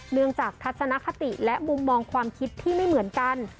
เนื่องจากทัศนคติและมุมมองความคิดที่ไม่เหมือนกัน